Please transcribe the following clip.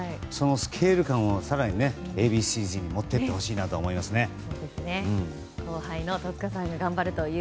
そのスケール感を更にＡ．Ｂ．Ｃ‐Ｚに持っていってほしいなと思いますね。